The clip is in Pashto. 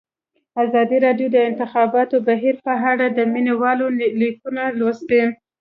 ازادي راډیو د د انتخاباتو بهیر په اړه د مینه والو لیکونه لوستي.